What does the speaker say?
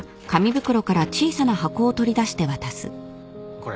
これ。